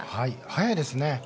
早いですね。